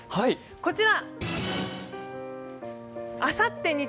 こちら！